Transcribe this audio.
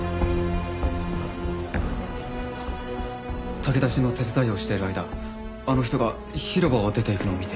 炊き出しの手伝いをしている間あの人が広場を出ていくのを見て。